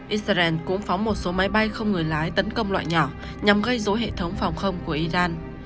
israel cũng phóng một số máy bay không người lái tấn công loại nhỏ nhằm gây dối hệ thống phòng không của iran